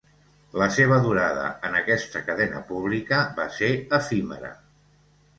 La seva durada en aquesta cadena pública va ser efímera.